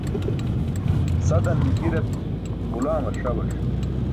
Sadan nikirat ġulaamar ṣabaṣ.